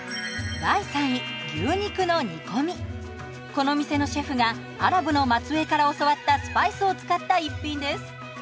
この店のシェフがアラブの末裔から教わったスパイスを使った一品です。